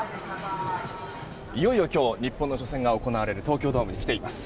いよいよ今日日本の初戦が行われる東京ドームに来ています。